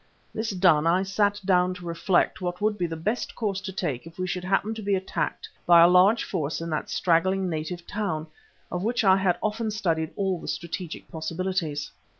This done I sat down to reflect what would be the best course to take if we should happen to be attacked by a large force in that straggling native town, of which I had often studied all the strategic possibilities.